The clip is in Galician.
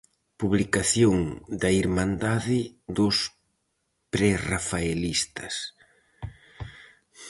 Publicación da Irmandade dos Prerrafaelistas.